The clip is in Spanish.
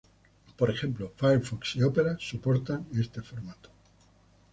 Por ejemplo, Firefox y Opera soportan este formato.